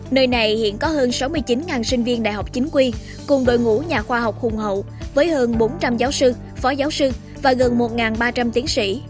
nơi này hiện có hơn sáu mươi chín sinh viên đại học chính quy cùng đội ngũ nhà khoa học hùng hậu với hơn bốn trăm linh giáo sư phó giáo sư và gần một ba trăm linh tiến sĩ